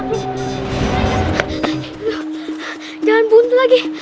aduh jangan bunuh lagi